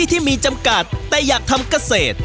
อยากทำกระเสด